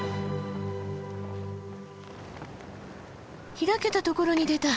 開けたところに出た。